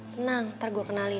tenang nanti gue kenalin